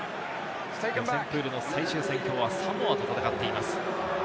予選プールの最終戦、きょうはサモアと戦っています。